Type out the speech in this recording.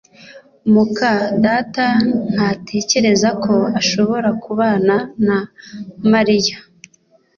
muka data ntatekereza ko ashobora kubana na Mariya